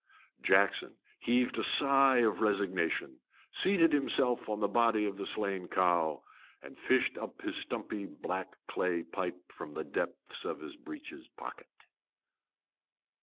Jackson heaved a sigh of resignation, seated himself on the body of the slain cow, and fished up his stumpy black clay pipe from the depths of his breeches pocket.